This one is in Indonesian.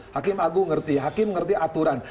hakim agung ngerti hakim ngerti aturan